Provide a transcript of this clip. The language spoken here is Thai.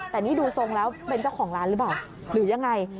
แต่นี่ดูทรงแล้วเป็นเจ้าของร้านหรือเปล่าหรือยังไง